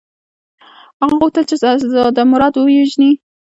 هغه غوښتل چې شهزاده مراد ووژني.